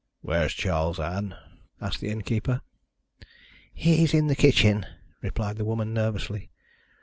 "Where is Charles, Ann?" asked the innkeeper. "He's in the kitchen," replied the woman nervously.